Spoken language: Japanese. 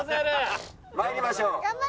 参りましょう。